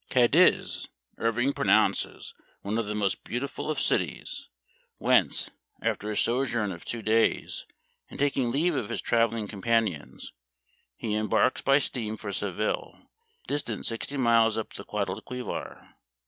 Cadiz Irving pronounces one of the most beautiful of cities, whence, after a sojourn of two days, and taking leave of his traveling companions, he embarks by steam for Seville, distant sixty miles up the Guadalquivir.